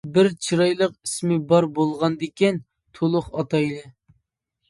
بىر چىرايلىق ئىسمى بار بولغاندىكىن تولۇق ئاتايلى.